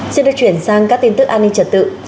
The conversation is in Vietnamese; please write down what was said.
xin được chuyển sang các tin tức an ninh trật tự